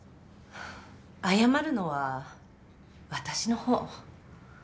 謝るのは私の方。